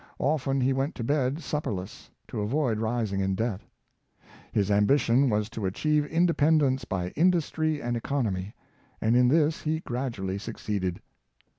Often he went to bed supperless, to avoid rising in debt. His ambition was to achieve independence by industry and economy, and in this he gradually suc ceeded.